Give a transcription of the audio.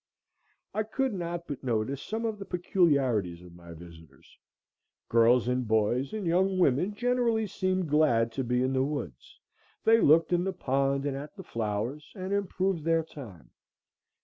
I could not but notice some of the peculiarities of my visitors. Girls and boys and young women generally seemed glad to be in the woods. They looked in the pond and at the flowers, and improved their time.